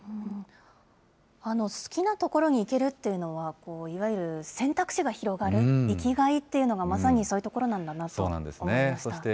好きな所に行けるっていうのは、いわゆる選択肢が広がる、生きがいというのが、まさにそういうところなんだなと思いました。